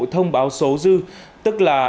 thông báo số dư tức là